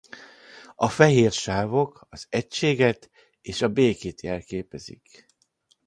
A fehér sávok az egységet és a békét jelképezik.